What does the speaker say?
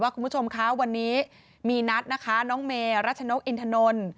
คุณผู้ชมคะวันนี้มีนัดนะคะน้องเมรัชนกอินทนนท์